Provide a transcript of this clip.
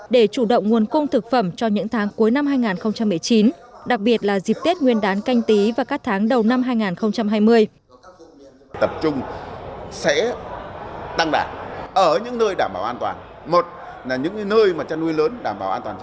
để chủ động nguồn cung thực phẩm cho những tháng cuối năm hai nghìn một mươi chín đặc biệt là dịp tết nguyên đán canh tí và các tháng đầu năm hai nghìn hai mươi